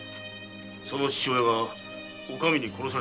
その父親がお上に殺されたというのか？